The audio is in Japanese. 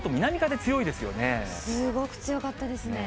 すごく強かったですね。